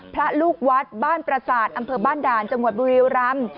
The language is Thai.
พระลูกวัดบ้านประสาทอำเภอบ้านด่านจังหวัดบุรีรำ